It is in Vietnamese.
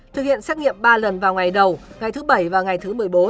thực hiện xét nghiệm ba lần vào ngày đầu ngày thứ bảy và ngày thứ một mươi bốn